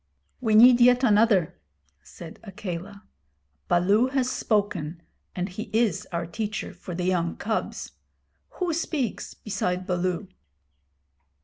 'We need yet another,' said Akela. 'Baloo has spoken, and he is our teacher for the young cubs. Who speaks beside Baloo?'